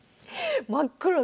真っ黒だ！